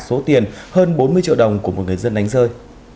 số tiền hơn bốn mươi triệu đồng của một người dân đánh rơi